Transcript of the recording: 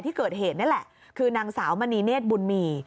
ที่เกิดเหตุนี่แหละคือนางสาวมณีเนธบุญมี